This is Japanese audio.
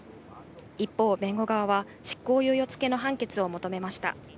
一方、弁護側は執行猶予付きの判決を求めました。